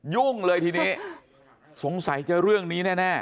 ยุ่งเลยทีนี้สงสัยจะเรื่องนี้แน่